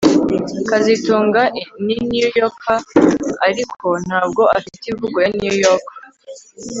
kazitunga ni New Yorker ariko ntabwo afite imvugo ya New York